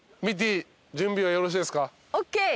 ミッティ準備はよろしいですか？